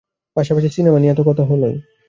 পাশাপাশি সিনেমা নিয়ে তো কথা হলোই।